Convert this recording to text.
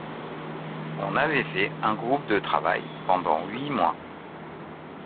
On avait fait un groupe de travail pendant huit mois.